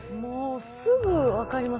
すぐ分かります。